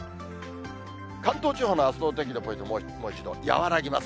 関東地方のあすのお天気のポイント、もう一度。